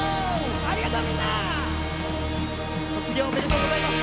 ありがとう、みんな！